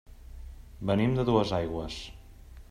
Venim de Duesaigües.